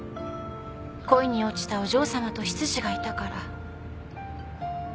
恋に落ちたお嬢さまと執事がいたから。